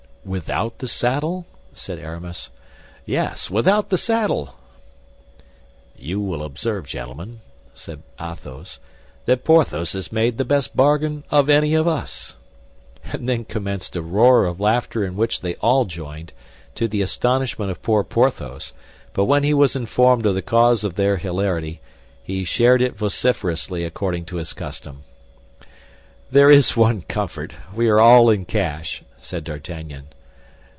"Without the saddle?" said Aramis. "Yes, without the saddle." "You will observe, gentlemen," said Athos, "that Porthos has made the best bargain of any of us." And then commenced a roar of laughter in which they all joined, to the astonishment of poor Porthos; but when he was informed of the cause of their hilarity, he shared it vociferously according to his custom. "There is one comfort, we are all in cash," said D'Artagnan.